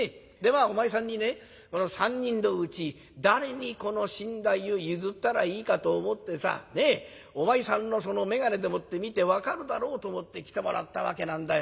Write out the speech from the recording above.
あお前さんにねこの３人のうち誰にこの身代を譲ったらいいかと思ってさお前さんのその眼鏡でもって見て分かるだろうと思って来てもらったわけなんだよ。